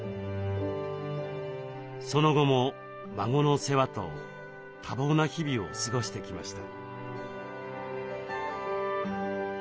その後も孫の世話と多忙な日々を過ごしてきました。